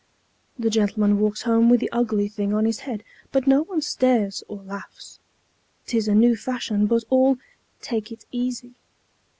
The gentleman walks home with the ugly thing on his head, but no one stares or laughs. 'Tis a new fashion, but all "take it easy."